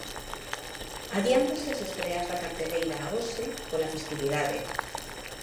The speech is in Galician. Adiántase as estreas de carteleira a hoxe pola festividade.